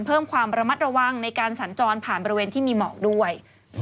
เพิ่มความระมัดระวังในการสัญจรผ่านบริเวณที่มีหมอกด้วย